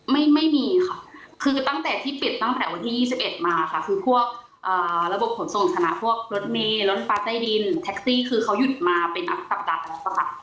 ไม่มีค่ะคือตั้งแต่ที่ปิดตั้งแต่วันที่๒๑มาค่ะคือพวกระบบขนส่งคณะพวกรถเมย์รถฟ้าใต้ดินแท็กซี่คือเขาหยุดมาเป็นนับสัปดาห์แล้วค่ะ